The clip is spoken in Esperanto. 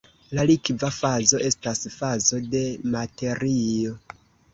La "likva fazo" estas fazo de materio.